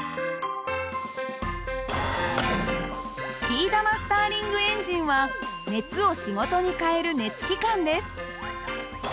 ビー玉スターリングエンジンは熱を仕事に変える熱機関です。